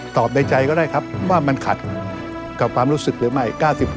ในใจก็ได้ครับว่ามันขัดกับความรู้สึกหรือไม่๙๐